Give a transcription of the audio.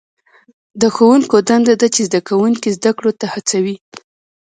د ښوونکي دنده ده چې زده کوونکي زده کړو ته هڅوي.